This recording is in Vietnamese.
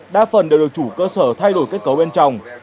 đa phần đều được chủ cơ sở thay đổi kết cấu bên trong